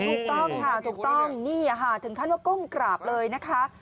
ถูกต้องค่ะถูกต้องนี่ค่ะถึงขั้นว่าก้มกราบเลยนะคะ